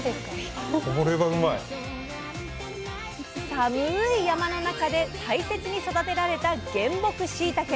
寒い山の中で大切に育てられた原木しいたけ。